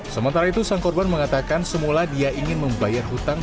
sementara itu sang korban mengatakan semula dia ingin membayar hutang